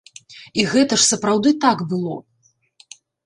І гэта ж сапраўды так было.